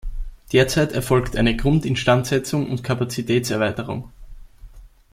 Derzeit erfolgt eine Grundinstandsetzung und Kapazitätserweiterung.